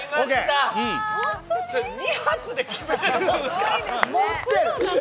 ２発で決めたんですか！